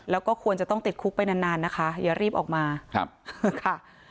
แล้วก็ควรจะต้องติดคุกไปนานนานนะคะอย่ารีบออกมาครับค่ะ